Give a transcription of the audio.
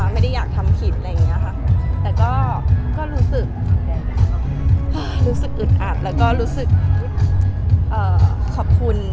ไม่ได้อยากทำผิดแต่ก็รู้สึกอึดอัด